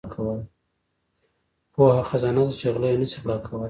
• پوهه هغه خزانه ده چې غله یې نشي غلا کولای.